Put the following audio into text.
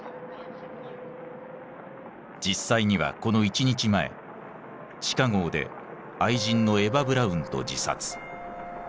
実際にはこの１日前地下壕で愛人のエヴァ・ブラウンと自殺。